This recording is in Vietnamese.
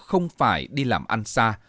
không phải đi làm ăn xa